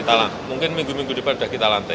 ya mungkin minggu minggu depan sudah kita lantai